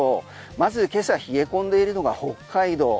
まず今朝冷え込んでいるのが北海道。